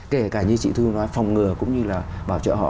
kể cả như chị thư nói phòng ngừa cũng như là bảo trợ họ